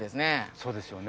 そうですよね。